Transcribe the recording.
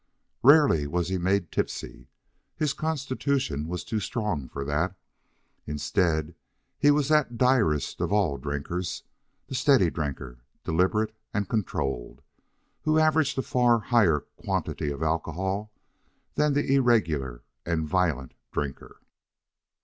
Rarely was he made tipsy. His constitution was too strong for that. Instead, he was that direst of all drinkers, the steady drinker, deliberate and controlled, who averaged a far higher quantity of alcohol than the irregular and violent drinker.